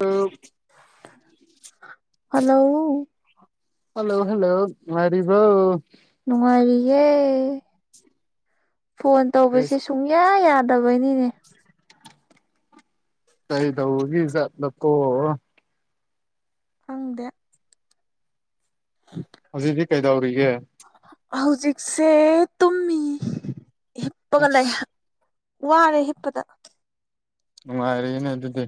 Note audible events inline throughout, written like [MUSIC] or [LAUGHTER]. hello hello hello hello ꯅꯨꯉꯥꯏꯔꯤꯕꯣ ꯅꯨꯡꯉꯥꯏꯔꯤꯌꯦꯦ phone ꯇꯧꯕꯁꯦ ꯁꯨꯡꯌꯥ ꯌꯥ ꯅꯤꯅꯦ ꯁꯩꯗ [UNINTELLIGIBLE] ꯎꯒ ꯀꯣ ꯐꯪꯗꯦ ꯍꯧꯖꯤꯗꯤ ꯀꯩꯗꯧꯔꯤꯒꯦ ꯍꯧꯖꯤꯛꯁꯦ ꯇꯨꯝꯃꯤ ꯍꯤꯞꯄꯒ ꯂꯩ ꯑꯁ ꯋꯥꯔꯦ ꯍꯤꯞꯄꯗ ꯅꯨꯡꯉꯥꯏꯔꯤꯅꯦ ꯑꯗꯨꯗꯤ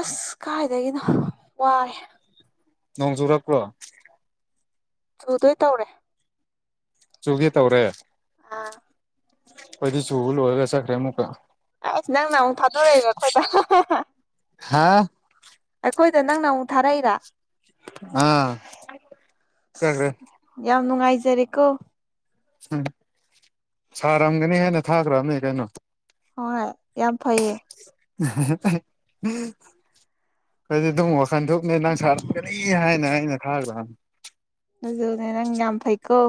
ꯑꯁ ꯀꯥꯏꯗꯒꯤꯅꯣ ꯋꯥꯔꯦ ꯅꯣꯡꯖꯨꯔꯛ ꯄꯔꯣ ꯆꯨꯗꯣꯏ ꯇꯧꯔꯦ ꯆꯨꯒꯦ ꯇꯧꯔꯦ ꯑꯥ ꯀꯣꯏꯗꯤ ꯆꯨꯜ ꯑꯣꯏꯒꯁ ꯈꯔꯦꯃꯨ ꯀ ꯑꯁ ꯅꯪꯅ ꯑꯃꯨꯛ ꯊꯥꯗꯣꯔꯛꯏꯕ ꯍꯥ ꯑꯩꯈꯣꯏꯗ ꯅꯪꯅ ꯑꯃꯨꯛ ꯊꯥꯔꯛꯏꯔ ꯑꯥ ꯆꯠꯈ꯭ꯔꯦ ꯅꯨꯡꯉꯥꯏꯖꯔꯦꯀꯣ ꯎꯝ ꯁꯥꯔꯝꯒꯅꯤ ꯍꯦꯟꯅ ꯊꯥꯈ꯭ꯔꯕꯅꯦ ꯀꯩꯅꯣ ꯍꯣꯏ ꯌꯥꯝ ꯐꯩꯌꯦ [INAUDIBLE] ꯑꯗꯨ ꯑꯗꯨꯝ ꯋꯥꯈꯟ ꯊꯣꯛꯅꯦ ꯅꯪ ꯁꯥꯔꯝꯒꯅꯤ ꯍꯥꯏꯅ ꯑꯩꯅ ꯊꯥꯈ꯭ꯔꯥ ꯑꯗꯨꯖꯅꯦ ꯅꯪ ꯌꯥꯝ ꯐꯩꯀꯣ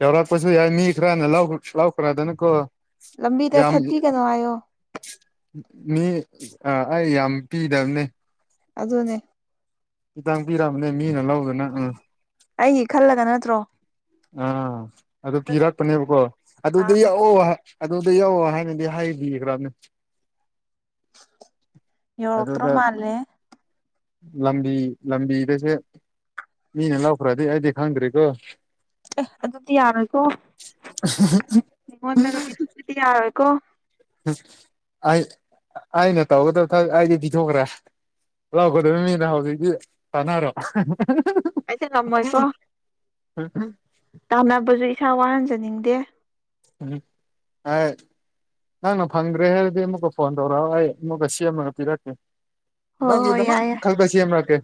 ꯌꯥꯎꯔꯛꯄꯁꯨ ꯌꯥꯏ ꯃꯤ ꯈꯔꯅ ꯂꯥꯎꯈ꯭ꯔꯗꯅꯀꯣ ꯂꯝꯕꯤꯗ ꯊꯠꯇꯤ ꯀꯩꯅꯣ ꯑꯣ ꯃꯤ ꯑꯩ ꯌꯥꯝ ꯄꯤꯗꯝꯅꯦ ꯑꯗꯨꯅꯦ ꯇꯥꯡ ꯄꯤꯔꯛꯑꯕꯅꯦ ꯃꯤꯅ ꯂꯧꯗꯅ ꯑꯥ ꯀꯨ ꯇ꯭ꯔꯣ ꯑꯥ ꯑꯗꯨ ꯄꯤꯔꯛꯄꯅꯦꯕꯀꯣ ꯑꯗꯨꯗꯤ ꯑꯥ ꯌꯥꯑꯣ ꯑꯗꯨꯗ ꯌꯧꯑꯣ ꯍꯥꯏꯅꯗꯤ ꯍꯥꯏꯕꯤꯈ꯭ꯔꯥꯅꯦ ꯌꯧꯔꯛꯇ꯭ꯔꯣ ꯃꯥꯂꯦ ꯂꯝꯕꯤ ꯂꯝꯕꯤꯗꯁꯦ ꯃꯤꯅ ꯂꯥꯎꯈ꯭ꯔꯗꯤ ꯑꯩꯗꯤ ꯈꯪꯗ꯭ꯔꯤꯀꯣ ꯑꯦ ꯑꯗꯨꯗꯤ ꯌꯥꯔꯣꯏꯀꯣ ꯃꯤꯉꯣꯟꯗꯒ ꯄꯤꯊꯣꯛꯄꯤꯗꯤ ꯌꯥꯔꯣꯏ ꯀꯣ ꯑꯩ ꯑꯩꯅ ꯇꯧꯒꯗꯕ ꯑꯩꯗꯤ ꯄꯤꯊꯣꯛꯈ꯭ꯔꯦ ꯂꯎ ꯀꯗ ꯃꯤꯅ ꯍ ꯏꯗꯤ ꯁꯅꯔꯣ ꯑꯩꯗꯤ ꯉꯝꯃꯣꯏꯀꯣ ꯇꯥꯅꯕꯁꯨ ꯏꯁꯥ ꯋꯥꯍꯟꯖꯅꯤꯡꯗꯦ ꯎꯝ ꯑ ꯅꯪꯅ ꯐꯪꯗ꯭ꯔꯦ ꯍꯥꯏꯔꯗꯤ ꯑꯃꯨꯛꯀ ꯐꯣꯟ ꯇꯧꯔꯛꯑꯣ ꯑꯩ ꯑꯃꯨꯛꯀ ꯁꯦꯝꯃꯒ ꯄꯤꯔꯛꯀꯦ ꯍꯣꯏ ꯅꯪꯒꯤ ꯍꯣꯏ ꯗꯃꯛ ꯌꯥꯏ ꯌꯥꯏ ꯈꯜ ꯁꯦꯝꯃꯛ ꯀꯦ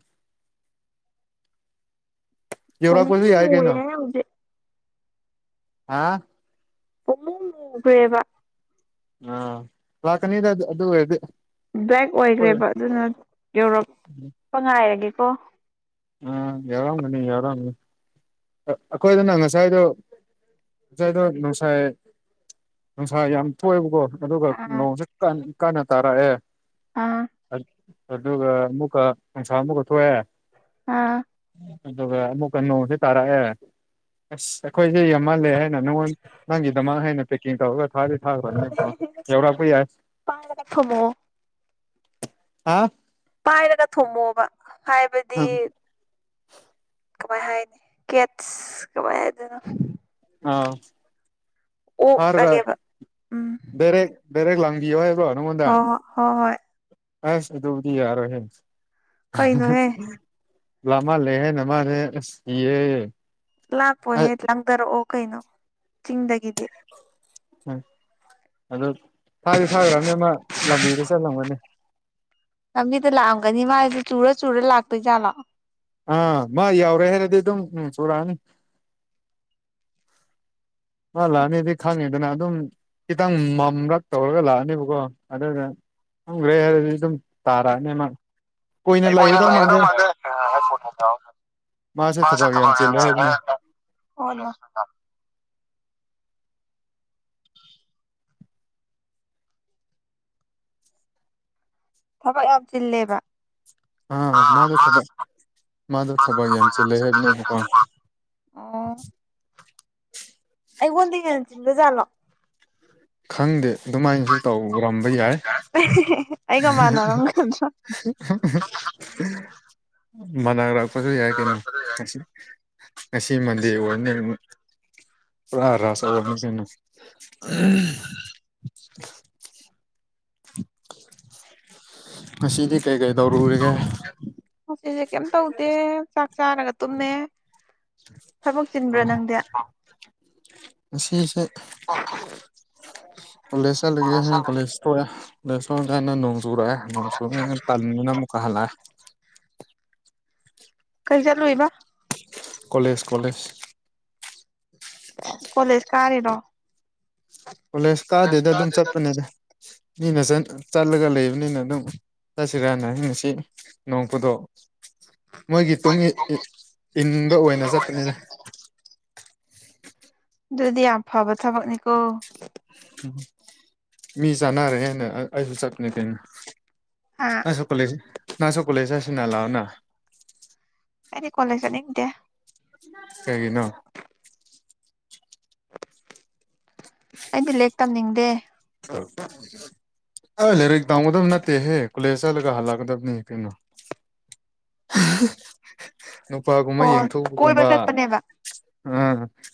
ꯌꯧꯔꯛꯄ ꯁꯨ ꯄꯨꯡꯃꯨ ꯌꯥꯏ ꯀꯩꯅꯣ ꯃꯨꯔꯦ ꯍꯧꯖꯤꯛ [UNINTELLIGIBLE] ꯑꯣꯃꯦꯕ ꯑ ꯂꯀꯅꯤꯗ ꯑꯗꯨꯑꯣꯏꯔꯗꯤ ꯕꯦꯛ ꯑꯣꯏꯈ꯭ꯔꯦꯕ ꯑꯗꯨꯅ ꯌꯧꯔꯛꯄ ꯉꯥꯏꯔꯒꯦꯀꯣ ꯑ ꯌꯥꯎꯔꯝꯒꯅꯤ ꯌꯥꯎꯔꯝꯒꯅꯤ ꯑꯩꯈꯣꯏꯗꯅ ꯉꯁꯥꯏꯗꯣ ꯉꯁꯥꯏꯗꯣ ꯅꯨꯡꯁꯥꯏ ꯅꯨꯡꯁꯥ ꯌꯥꯝ ꯊꯣꯛꯑꯦꯕꯀꯣ ꯑꯗꯨꯒ ꯑꯥ ꯅꯣꯡꯁꯦ ꯀꯥꯟꯅ ꯇꯥꯔꯛꯑꯦ ꯑꯥ ꯑꯗꯨꯒ ꯑꯃꯨꯀꯁ ꯑꯃꯨꯀ ꯊꯣꯛꯑꯦ ꯑꯥ ꯑꯗꯨꯒ ꯑꯃꯨꯛꯀ ꯅꯣꯡꯁꯦ ꯇꯥꯔꯛꯑꯦ ꯑꯁ ꯑꯩꯈꯣꯏꯁꯦ ꯌꯥꯝꯍꯜꯂꯦ ꯩꯅ ꯅꯪꯉꯣꯟ ꯅꯪꯒꯤꯗꯃꯛ ꯍꯦꯟꯅ ꯄꯦꯛꯀꯤꯡ ꯇꯧꯔꯒ ꯊꯥꯗꯤ ꯊꯥꯈ꯭ꯔꯕꯅꯦꯀꯣ ꯌꯧꯔꯛꯄ ꯌꯥꯏ ꯊꯃꯣ ꯑꯥ ꯄꯥꯏꯔꯒ ꯊꯣꯝꯃꯣꯕ ꯍꯥꯏꯕꯗꯤ ꯀꯃ ꯍꯥꯏꯅꯤ ꯀꯦꯠ ꯀꯃꯥꯏ ꯍꯥꯏ ꯑꯗꯨꯅ ꯑꯥ ꯐꯔꯒ ꯑꯣꯛꯑꯒꯦꯕ ꯔꯦꯛ ꯔꯦꯛ ꯂꯥꯡꯕꯤꯌ ꯍꯥꯏꯕ꯭ꯔꯣ ꯅꯪꯉꯣꯟꯗ ꯑꯣ ꯍꯣ ꯍꯣꯏ ꯑꯁ ꯗꯗꯨꯕꯗꯤ ꯌꯥꯔꯣ ꯍ ꯀꯩꯅꯣꯍꯦ ꯃ ꯂꯩꯦꯍꯦꯅꯃꯅꯦ ꯁꯤ ꯂꯥꯛꯄꯣ ꯍꯦ ꯂꯪꯊꯔꯛꯑꯣ ꯀꯩꯅꯣ ꯆꯤꯡꯗꯒꯤꯗꯤ ꯎꯝ ꯑꯗꯨꯗ ꯊꯥꯗꯤ ꯊꯥꯈ꯭ꯔꯕꯅꯦ ꯑꯃ ꯂꯝꯕꯤꯗ ꯆꯠꯂꯝꯒꯅꯤ ꯂꯝꯕꯤꯗ ꯂꯥꯛꯑꯝꯒꯅꯤ ꯃꯥꯁꯦ ꯆꯨꯔ ꯆꯨꯔ ꯂꯥꯛꯇꯣꯏ ꯌꯥꯂ ꯑꯥ ꯃꯥ ꯌꯥꯎꯔꯦ ꯍꯥꯏꯔꯗꯤ ꯑꯗꯨꯝ ꯎꯝ ꯁꯨꯔꯛꯑꯅꯤ ꯂꯂꯥꯛꯑꯅꯤꯗꯤ ꯈꯪꯉꯤꯗꯅ ꯑꯗꯨꯝ ꯈꯤꯇꯪ ꯃꯝꯂꯛ ꯇꯧꯔꯒ ꯂꯥꯛꯑꯅꯦꯕꯀꯣ ꯑꯗꯨꯗ ꯈꯪꯈ꯭ꯔꯦ ꯍꯥꯏꯔꯗꯤ ꯑꯗꯨꯝ ꯇꯔꯥꯅꯦ ꯃꯥ ꯀꯅꯦ ꯀꯨꯏꯅ ꯂꯥꯏꯔꯗ ꯂꯩꯒꯗꯧ ꯃꯥꯗ ꯃꯥꯟꯗꯦ ꯍꯥꯏꯕꯅꯦ [INAUDIBLE] ꯊꯕꯛ ꯌꯥꯝ ꯆꯜꯂꯦꯕ ꯑꯥ ꯃꯥꯗꯣ ꯊꯕꯛ ꯃꯥꯗꯣ ꯊꯕꯛ ꯌꯥꯝꯁꯤ ꯌꯥꯝ ꯂꯩ ꯆꯤꯜꯂꯦ ꯍꯥꯏꯕꯅꯦꯀꯣ ꯑꯣ ꯑꯩ ꯀꯣꯟꯗꯤꯅ ꯆꯤꯟꯗ ꯆꯂꯣ ꯈꯪꯗꯦ ꯑꯗꯨꯃꯥꯏꯅꯁꯨ ꯇꯧꯔꯝꯕ ꯌꯥꯏ ꯑꯩꯒ ꯃꯥꯟꯅꯔꯝꯒꯗ꯭ꯔꯥ [INAUDIBLE] ꯃꯅꯥꯛ ꯂꯥꯛꯄꯁꯨ ꯌꯥꯏ ꯀꯩꯅꯣ ꯉꯁꯤ ꯃꯟꯗꯦ ꯑꯣꯏꯔꯦ ꯅꯪ ꯄꯨꯥ ꯔꯥꯁ ꯑꯕꯅꯤ ꯄꯣ ꯉ ꯁꯤꯗꯤ ꯀꯥꯏ ꯀꯥꯏ ꯧꯔꯔꯒꯦ ꯁꯤꯁꯦ ꯀꯩꯝ ꯇꯧꯗꯦ ꯆꯥꯛ ꯆꯥꯔꯒ ꯇꯨꯝꯃꯦ ꯊꯕꯛ ꯆꯤꯟꯕ꯭ꯔꯣ ꯎꯝ ꯅꯪꯗꯤ ꯉꯁꯤꯁꯦ ꯀꯣꯂꯦꯖ ꯆꯠꯂꯒꯦ ꯍꯣꯏ ꯀꯣꯂꯦꯖꯦ ꯑꯗꯣ ꯁꯣꯝꯗ ꯑꯩꯅ ꯅꯣꯡ ꯆꯨꯔꯛꯑꯦ ꯅꯣꯡ ꯆꯨꯔꯛꯉꯦꯩꯅ ꯇꯜꯂꯤꯗꯅꯤꯅꯨꯛꯀ ꯍꯜꯂꯛꯑꯦ ꯀꯩ ꯆꯠ ꯂꯣꯏꯕ ꯀꯂꯦꯖ ꯀꯂꯦꯖ ꯀꯣꯂꯦꯖ ꯀꯥꯔꯤꯔꯣ ꯀꯣꯂꯦꯖ ꯀꯥꯗꯦꯗ ꯑꯗꯨꯝ ꯆꯠꯄꯅꯤꯅ ꯃꯤꯅ ꯆꯠꯂꯒ ꯂꯩꯕꯅꯤꯅ ꯑꯗꯨꯝ ꯆꯠꯁꯤꯔ ꯅ ꯉꯁꯤ ꯅꯣꯡꯄꯨꯗ ꯃꯣꯏꯒꯤ ꯇꯨꯡ ꯏꯅꯤꯡꯕ ꯑꯣꯏꯅ ꯆꯠꯄꯅꯤꯅ ꯑꯗꯨꯗꯤ ꯌꯥꯝ ꯐꯕ ꯊꯕꯛꯅꯤꯀꯣ ꯃꯤꯖꯅꯔꯦ ꯍꯦꯅ ꯑꯁꯨ ꯆꯠꯅꯤ ꯀꯅ ꯍꯥ ꯑꯁꯨ ꯀ ꯂꯩꯁꯤ ꯉ ꯁ ꯀꯣꯂꯦꯖꯦ ꯁꯤꯅ ꯂꯥꯑꯣꯅ ꯑꯩꯅꯦ ꯀꯣꯂꯦꯖꯅꯤ ꯏꯗꯦ ꯁꯒꯤꯅꯣ ꯑꯩꯗꯤ ꯂꯦꯛ ꯇꯝꯅꯤꯡꯗꯦ ꯂꯩꯔꯗ ꯑꯣꯗꯝ ꯅꯠꯇꯦ ꯍꯦ ꯀꯂꯦꯁꯂꯒ ꯍꯜꯂꯛ ꯀꯗꯅꯤ ꯀꯤꯅ ꯅꯨꯄꯥꯒꯨꯝꯕ ꯑꯣ ꯀꯣꯏꯕ ꯌꯦꯡꯊꯣꯛꯧꯕꯒꯨꯝꯕ ꯆꯠꯄꯅꯦꯕ ꯎ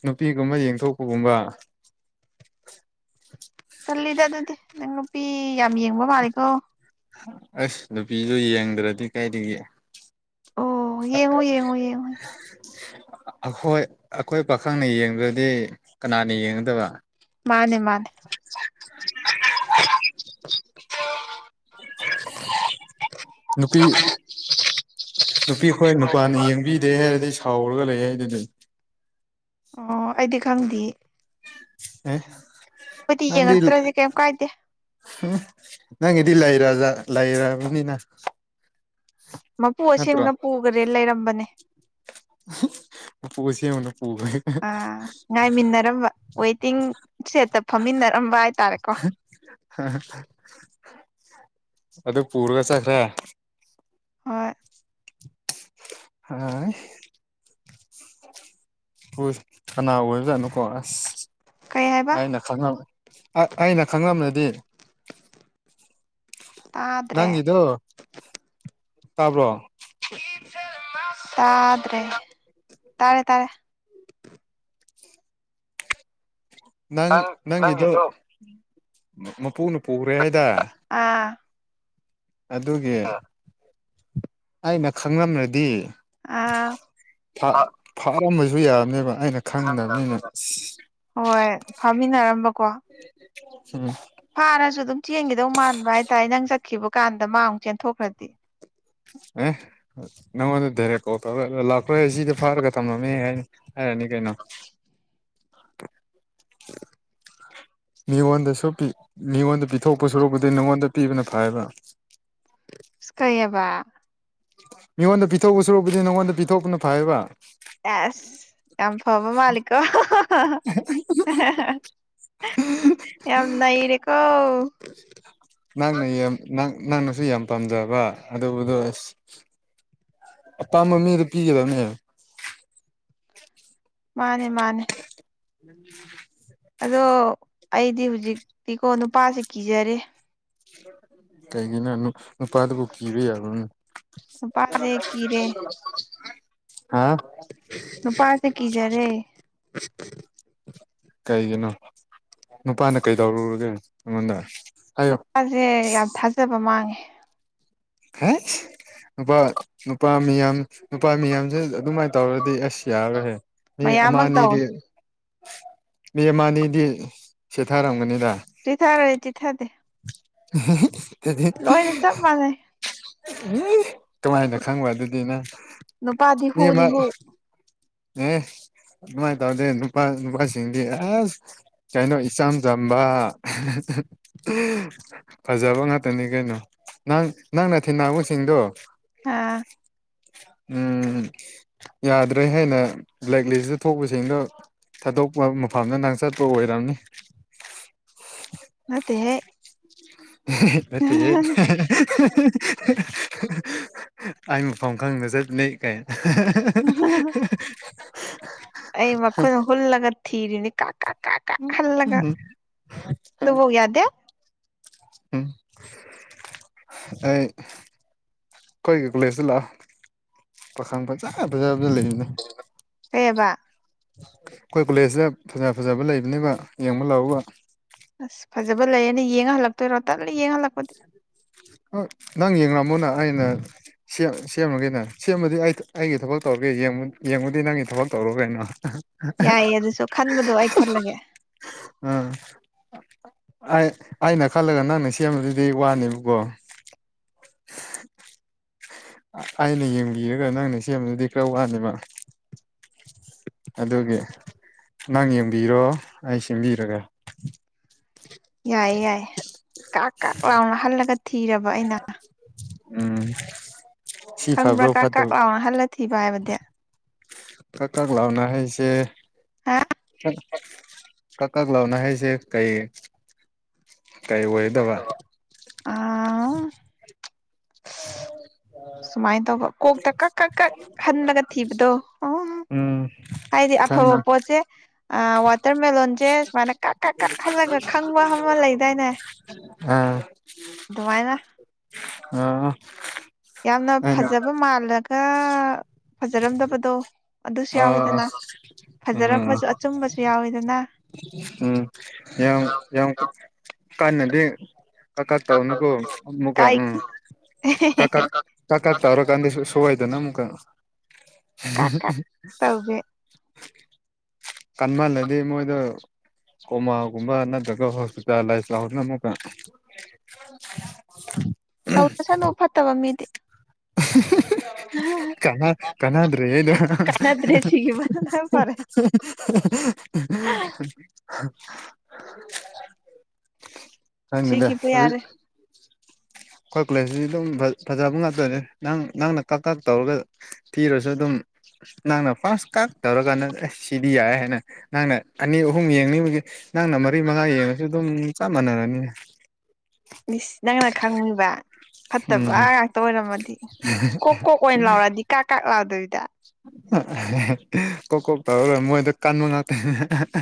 ꯅꯨꯄꯤꯒꯨꯝꯕ ꯌꯦꯡꯊꯣꯛꯄꯒꯨꯝꯕ ꯀꯜꯂꯤꯗ ꯑꯗꯨꯗꯤ ꯅꯪ ꯅꯨꯄꯤ ꯌꯥꯝ ꯌꯦꯡꯕ ꯃꯥꯜꯂꯤꯦꯀꯣ ꯑꯁ ꯅꯨꯄꯤꯗꯨ ꯌꯦꯡꯗ꯭ꯔꯗꯤ ꯀꯥꯏꯒꯦ ꯑꯣ ꯌꯦꯡꯉꯣ ꯌꯦꯡꯉꯣ ꯌꯦꯡꯉꯣ ꯑꯩꯈꯣꯏ ꯑꯩꯈꯣꯏ ꯄꯥꯈꯪꯅ ꯌꯦꯡꯗ꯭ꯔꯗꯤ ꯀꯅꯥꯅ ꯌꯦꯡꯒꯗꯕ ꯃꯥꯅꯦ ꯃꯥꯅꯦ ꯅꯨꯄꯤ ꯅꯨꯄꯤ ꯑꯩꯈꯣꯏ ꯅꯨꯄꯥꯅ ꯌꯦꯡꯕꯤꯗꯦ ꯍꯥꯏꯔꯗꯤ ꯁꯥꯎꯔꯒ ꯂꯩ ꯍꯥꯏꯗꯨꯗ ꯑꯣ ꯑꯩꯗꯤ ꯈꯪꯗꯦ ꯑꯦ ꯑꯩꯈꯣꯏꯗꯤ ꯑꯗꯤ ꯏ ꯌꯦꯡꯉꯛꯇ꯭ꯔꯗꯤ ꯀꯩꯝ ꯀꯥꯏꯗꯦ ꯅꯪꯒꯤꯗꯤ ꯂꯩꯔ ꯂꯩꯔꯕꯅꯤꯅ ꯃꯄꯨ ꯅꯠꯇ꯭ꯔꯣ ꯑꯁꯦꯡꯕꯅ ꯄꯨꯈꯔꯦ ꯂꯩꯔꯝꯕꯅꯦ ꯄꯨꯁ ꯃꯨꯅꯨ ꯑ ꯉꯥꯏꯃꯤꯟꯅꯔꯝꯕ ꯋꯦꯇꯤꯡ ꯁꯦꯠꯇ ꯐꯝꯃꯤꯟꯅꯔꯝꯕ ꯍꯥꯏꯇꯥꯔꯦꯀꯣ ꯑꯗꯨꯗ ꯄ ꯄꯨꯔꯒ ꯆꯈ꯭ꯔ ꯍꯣꯏ ꯑ ꯍꯣꯏ ꯀꯅꯥ ꯑꯣꯏꯕꯖꯥꯠꯅꯣꯀꯣ ꯑꯁ ꯀꯩ ꯍꯥꯏꯕ ꯑꯩꯅ ꯈꯪ ꯑꯩꯅ ꯈꯪꯉꯝꯗꯗꯤ ꯇꯥꯗ꯭ꯔꯦ ꯅꯪꯗꯨ ꯇꯥꯕ꯭ꯔꯣ ꯁꯥꯠ꯭ꯔ ꯇꯔꯦ ꯇꯔꯦ ꯅꯪ ꯅꯪꯒꯤꯗꯣ ꯃꯄꯨꯅ ꯄꯨꯈ꯭ꯔꯦ ꯍꯥꯏꯗ ꯑꯥ ꯑꯗꯨꯒꯤ ꯑꯩꯅ ꯈꯪꯂꯝ꯭ꯔꯗꯤ ꯑꯥ ꯌꯥꯝꯝꯅꯖꯨꯌꯥꯅꯦꯕ ꯍꯣꯏ ꯐꯥꯃꯤꯟꯅꯔꯝꯕꯀꯣ ꯎꯝ ꯐꯥꯔꯁꯨ ꯑꯗꯨꯝ ꯆꯦꯟꯒꯗꯧ ꯃꯥꯟꯕ ꯍꯥꯏꯇꯥꯔꯦ ꯅꯪ ꯆꯠꯈꯤꯕ ꯀꯥꯟꯗ ꯃꯥ ꯑꯃꯨꯛ ꯆꯦꯟꯊꯣꯛꯈ꯭ꯔꯗꯤ ꯑꯦ ꯅꯪꯉꯣꯟꯗ ꯗꯥꯏꯔꯦꯛ ꯀꯣꯜ ꯇꯧꯔꯒ ꯂꯥꯛꯄ꯭ꯔ ꯁꯤꯗ ꯐꯥꯔꯒ ꯊꯝꯂꯝꯃꯦ ꯍꯥꯏꯅꯤ ꯍꯥꯏꯔꯅꯤ ꯀꯩꯩꯅꯣ ꯃꯤꯉꯣꯟꯗꯁꯨ ꯄꯤ ꯃꯤꯉꯣꯟꯗ ꯄꯤꯊꯣꯛꯄ ꯁꯨꯔꯛꯄꯨꯗꯤ ꯅꯉꯣꯟꯗ ꯄꯤꯕꯅ ꯐꯥꯏꯕ ꯀꯩꯌꯦꯕ ꯃꯤꯉꯣꯟꯗ ꯄꯤꯊꯣꯛꯄ ꯁꯔꯨꯛꯄꯨꯗꯤ ꯅꯪꯉꯣꯟꯗ ꯄꯤꯊꯣꯛꯄꯅ ꯐꯩꯌꯦꯕ ꯑꯦꯁ ꯌꯥꯝ ꯐꯕ ꯃꯥꯂꯤꯀꯣ ꯌꯥꯝ ꯅꯩꯔꯦꯀꯣ ꯅꯪꯅ ꯌꯥꯝ ꯅꯪꯅꯁꯨ ꯌꯥꯝ ꯄꯥꯝꯖꯕ ꯑꯗꯨꯗꯣ ꯑꯁ ꯑꯄꯥꯝꯕ ꯃꯤꯗ ꯄꯤꯒꯗꯕꯅꯦ ꯃꯥꯅꯦ ꯃꯥꯅꯦ ꯎ ꯑꯗꯣ ꯑꯩꯗꯤ ꯍꯧꯖꯤꯛꯇꯤꯀꯣ ꯅꯨꯄꯥꯁꯦ ꯀꯤꯖꯔꯦ ꯀꯩꯒꯤꯅꯣ ꯅꯨꯄꯥꯗꯕꯨ ꯀꯤꯕ ꯌꯥꯕꯔ ꯅꯨꯄꯥꯥꯁꯦ ꯀꯤꯔꯦ ꯍꯥ ꯅꯨꯄꯥꯥꯁꯦ ꯀꯤꯖꯔꯦ ꯀꯩꯒꯤꯅꯣ ꯅꯨꯄꯥꯅ ꯀꯩꯗꯧꯔꯨꯔꯒꯦ ꯅꯪꯉꯣꯟꯗ ꯅꯨꯄꯥꯁꯦ ꯌꯥꯝ ꯊꯥꯖꯕ ꯃꯥꯡꯉꯦ ꯍꯥꯏꯁ ꯅꯨꯄꯥ ꯅꯨꯄꯥ ꯃꯤꯌꯥꯝ ꯅꯨꯄꯥ ꯃꯤꯌꯥꯝꯁꯦ ꯑꯗꯨꯃꯥꯏꯅ ꯇꯧꯔꯗꯤ ꯑꯁ ꯌꯥꯔꯣꯏꯍꯦ ꯃꯤ ꯑꯃ ꯃꯌꯥꯝꯃꯛ ꯇꯧꯋꯦ ꯑꯅꯤꯗꯤ ꯃꯤ ꯑꯃ ꯑꯅꯤꯗꯤ ꯆꯤꯊꯔꯝꯒꯅꯤꯗ ꯆꯤꯊꯥꯔꯦ ꯆꯤꯊꯥꯗꯦ ꯗꯨꯗꯤ ꯂꯣꯏꯅ ꯆꯞ ꯃꯥꯟꯅꯩ ꯏ ꯀꯃꯥꯏꯅ ꯈꯪꯕ ꯑꯗꯨꯗꯤꯅꯪ ꯅꯄꯥꯗꯤ ꯍꯨꯅꯤ ꯍꯨ ꯑꯦ ꯑꯗꯨꯃꯥꯏꯅ ꯇꯧꯗꯦ ꯅꯨꯄꯥ ꯅꯨꯄꯥꯁꯤꯡꯗꯤ ꯑꯁ ꯀꯩꯅꯣ ꯏꯆꯝ ꯆꯝꯕ ꯐꯖꯕ ꯉꯥꯛꯇꯅꯤ ꯀꯩꯅꯣ ꯅꯪ ꯅꯪꯅ ꯊꯦꯡꯅꯕꯁꯤꯡꯗꯣ ꯑꯥ ꯎꯝ ꯌꯥꯗ꯭ꯔꯦꯍꯦ ꯕ꯭ꯂꯦꯛ ꯂꯤꯁꯇ ꯊꯣꯛꯄꯁꯤꯡꯗꯣ ꯊꯥꯗꯣꯛꯄ ꯃꯐꯝꯗ ꯅꯪ ꯆꯠꯄ ꯑꯣꯏꯔꯝꯅꯤ ꯅꯠꯇꯦ ꯍꯦꯛ ꯅꯠꯇꯦꯍꯦ ꯑꯩ ꯃꯐꯝ ꯈꯪꯅ ꯆꯠꯅꯩ ꯑ ꯑꯩ ꯃꯈꯣꯏ ꯍꯨꯜꯂꯒ ꯊꯤꯔꯤꯅꯤ ꯀꯥ ꯀꯥ ꯀꯥ ꯀꯥ ꯍꯜꯂꯒ ꯑꯗꯨꯕꯧ ꯌꯥꯗꯦ ꯎꯝ ꯑꯩ ꯑꯩꯈꯣꯏꯒꯤ ꯀꯣꯂꯦꯖꯇ ꯂꯥꯛꯑꯣ ꯄꯥꯈꯪ ꯐꯖ ꯐꯖꯕ ꯂꯩꯕꯅꯦ ꯀꯩꯑꯕ ꯑꯩꯈꯣꯏ ꯀꯣꯂꯦꯖꯇ ꯐꯖ ꯐꯖꯕ ꯂꯩꯕꯅꯦꯕ ꯌꯦꯡꯕ ꯂꯥꯛꯎꯀꯣ ꯑꯁ ꯐꯖꯕ ꯂꯩꯌꯦꯅ ꯌꯦꯡꯉ ꯍꯜꯂꯛꯇꯣꯏꯔꯣ ꯇ ꯑ ꯅꯪ ꯌꯦꯡꯔꯝꯃꯨꯅ ꯑꯩꯅ ꯁꯦꯝ ꯁꯦꯝꯃꯒꯦꯅꯦ ꯁꯦꯝꯕꯗꯤ ꯑꯩ ꯑꯩꯒꯤ ꯊꯕꯛ ꯇꯧꯔꯒꯦ ꯌꯦꯡ ꯌꯦꯡꯕꯗꯤ ꯅꯪꯒꯤ ꯊꯕꯛ ꯇꯧ ꯔꯣ ꯀꯩꯅꯣ ꯌꯥꯏꯌꯦ ꯑꯗꯨꯁꯨ ꯈꯟꯕꯗꯣ ꯑꯩ ꯈꯜꯂꯒꯦ ꯎꯝ ꯑꯩꯅ ꯈꯜꯂꯒ ꯅꯪꯅ ꯁꯦꯝꯕꯗꯨꯗꯤ ꯋꯥꯅꯦꯕꯀꯣ ꯑꯩꯅ ꯌꯦꯡꯕꯤꯔꯒ ꯅꯪꯅ ꯁꯦꯝꯕꯗꯨꯗꯤ ꯈꯔ ꯋꯥꯅꯦꯕ ꯑꯗꯨꯒꯤ ꯅꯪ ꯌꯦꯡꯕꯤꯔꯣ ꯑꯩ ꯁꯤꯟꯕꯤꯔꯒꯦ ꯌꯥꯏꯌꯦ ꯌꯥꯏꯌꯦ ꯀꯥꯛ ꯀꯥꯛ ꯂꯥꯎꯅ ꯍꯜꯂꯒ ꯊꯤꯔꯕ ꯑꯩꯅ ꯎꯝ ꯁꯤ ꯈꯪꯕ꯭ꯔꯥ ꯐꯕ꯭ꯔꯣ ꯀ ꯀꯥꯛ ꯐꯠꯇꯕ ꯂꯥꯎꯅ ꯍꯜꯂ ꯊꯤꯕ ꯍꯥꯏꯕꯗꯤ ꯀꯛ ꯀ ꯂꯥꯎꯅ ꯍꯥꯏꯁꯦ ꯍꯥ ꯀ ꯀꯛ ꯂꯥꯎꯅ ꯍꯥꯏꯁꯦ ꯀꯩ ꯀꯩ ꯑꯣꯏꯗꯕ ꯑ [INAUDIBLE] ꯑ ꯁꯨꯃꯥꯏꯅ ꯇꯧꯕ ꯀꯣꯛꯇ ꯀꯛ ꯀꯛ ꯀꯛ ꯍꯜꯂꯒ ꯊꯤꯕꯗꯣ ꯎ ꯎꯝ ꯍꯥꯏꯗꯤ ꯑꯐꯕ ꯈꯪꯉꯦ ꯄꯣꯠꯠꯇꯦ ꯑ ꯋꯥꯇꯔꯃꯦꯂꯂꯣꯟꯁꯦ ꯁꯨꯃꯥꯏꯅ ꯀꯛ ꯀꯛ ꯀꯛ ꯍꯜꯂꯒ ꯈꯪꯕ ꯑꯃꯃ ꯂꯩꯗꯥꯏꯅꯦ ꯑꯥ ꯉꯥꯏꯗ ꯑ ꯌꯥꯝꯅ ꯐꯖꯕ ꯃꯥꯜꯂꯒ ꯐꯖꯔꯝꯗꯕꯗꯣ ꯑꯗꯨꯁꯨ ꯑꯥ ꯑꯥ ꯌꯥꯎꯋꯤꯗꯅ ꯎꯝ ꯐꯖꯔꯝꯕꯁꯨ ꯑꯆꯨꯝꯕꯁꯨ ꯌꯥꯎꯋꯤꯗꯅ ꯎꯝ ꯌꯥꯝ ꯌꯥꯝ ꯀꯅꯗꯤ ꯀꯥꯀꯥ ꯇꯀꯣꯃꯀ ꯀꯥꯏ ꯎꯝ ꯀꯥꯀꯥ ꯀꯥꯀꯥ ꯇꯔꯣ ꯀꯗꯤꯁꯨ ꯁꯤꯗꯥ ꯅꯝꯕ ꯀꯥꯛ ꯀꯥꯛ ꯍꯤꯍꯤ ꯇꯧꯒꯦ ꯀꯟꯃꯜꯂꯗꯤ ꯃꯣꯏꯗꯣ ꯀꯣꯃꯥꯒꯨꯝꯕꯅ ꯗ ꯍ ꯆꯂꯁꯅꯨꯀ [INAUDIBLE] ꯍꯗ ꯆꯂꯣ ꯐꯠꯇꯕ ꯃꯗꯤꯦ [UNINTELLIGIBLE] ꯀꯅꯥ ꯀꯅꯥꯗ꯭ꯔꯦꯅ ꯎꯝ ꯀꯥꯟꯅꯗ꯭ꯔꯦ ꯁꯤꯈꯤꯕꯅ ꯐꯔꯦ ꯊꯅꯤꯗ ꯁꯤꯈꯤꯕ ꯑꯗꯨ ꯌꯥꯔꯦ ꯑꯩꯈꯣꯏ ꯀꯨꯂꯦꯖꯗꯤ ꯑꯗꯨꯝ ꯐꯖꯕ ꯉꯥꯛꯇꯅꯦ ꯅꯪ ꯅꯪꯅ ꯀꯛ ꯀꯛ ꯇꯧꯔꯒ ꯊꯤꯔꯁꯨ ꯑꯗꯨꯝ ꯅꯪꯅ ꯐꯥꯔꯁ ꯀꯥ ꯇꯧꯔꯀꯥꯟꯗ ꯑꯁ ꯁꯤꯗꯤ ꯌꯥꯏ ꯍꯥꯏꯅ ꯅꯪꯅ ꯑꯅꯤ ꯑꯍꯨꯝ ꯌꯦꯡꯅꯤꯡꯕꯒꯤ ꯅꯪꯅ ꯃꯔꯤ ꯃꯉꯥ ꯌꯦꯡꯉꯁꯨ ꯑꯗꯨꯝ ꯆꯞ ꯃꯥꯟꯅꯔꯅꯤ ꯃꯤꯁ ꯅꯪꯅꯥ ꯈꯪꯨꯕ ꯐꯠꯇꯕ ꯎꯝ ꯉꯥꯛꯇ ꯑꯣꯏꯔꯝꯃꯗꯤ ꯀꯣꯛ ꯀꯣꯛ ꯑꯣꯏꯅ ꯂꯥꯎꯔꯛꯗꯤ ꯀꯥꯛ ꯀꯥꯛ ꯂꯥꯎꯗꯕꯤꯗ ꯀꯣꯛ ꯀꯣꯛ ꯇꯧꯔꯒꯣꯏ ꯃꯣꯏꯗ ꯀꯟꯕ ꯉꯥꯛꯇꯅꯦ ꯑ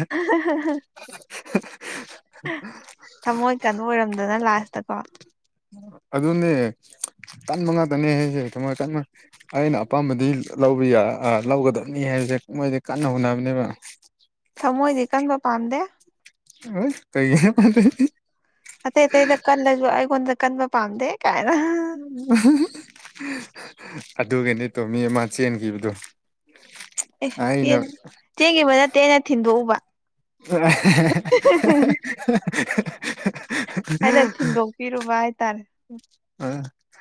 [INAUDIBLE] ꯊꯃꯣꯏ ꯀꯩꯅꯣ ꯑꯣꯏꯔꯝꯗꯅ ꯂꯥꯁꯇꯀꯣ ꯑꯗꯨꯅꯦ ꯇꯟꯕ ꯉꯥꯛꯇꯅꯦ ꯍꯥꯏꯁꯦ ꯊꯃꯟ ꯑꯩꯅ ꯑꯄꯥꯝꯕꯗꯤ ꯂꯧꯕ ꯌꯥ ꯂꯧꯒꯗꯕꯅꯤ ꯍꯥꯏꯕꯁꯦ ꯃꯣꯏꯗꯤ ꯀꯟꯅ ꯍꯣꯠꯅꯕꯅꯦꯕ ꯊꯃꯣꯏꯗꯤ ꯀꯟꯕ ꯄꯥꯝꯗꯦ ꯑꯣꯏ ꯀꯒ ꯄ ꯑꯇꯩ ꯑꯇꯩꯗ ꯀꯜꯂꯁꯨ ꯑꯩꯉꯣꯟꯗ ꯀꯟꯕ ꯄꯥꯝꯗꯦ ꯀꯥꯏꯅ [INAUDIBLE] ꯑꯗꯨꯒꯒꯤꯅꯤ ꯇꯣ ꯃꯤ ꯑꯃ ꯆꯦꯟꯈꯤꯕꯗꯨꯣ ꯑꯦ ꯆ ꯆꯦꯟꯈꯤꯕ ꯅꯠꯇꯦꯅ ꯊꯤꯟꯗꯣꯛꯎꯕ ꯑ ꯑꯩꯅ ꯊꯤꯟꯗꯣꯛꯄꯤꯔꯨꯕ ꯍꯥꯏꯇꯥꯔꯦ ꯑ